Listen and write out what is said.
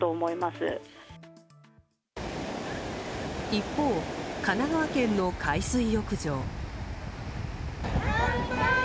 一方、神奈川県の海水浴場。